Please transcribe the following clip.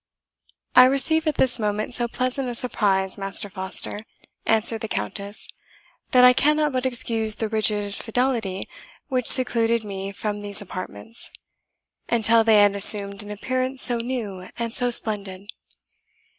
"I receive at this moment so pleasant a surprise, Master Foster," answered the Countess, "that I cannot but excuse the rigid fidelity which secluded me from these apartments, until they had assumed an appearance so new and so splendid."